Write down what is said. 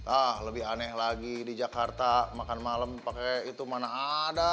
ah lebih aneh lagi di jakarta makan malam pakai itu mana ada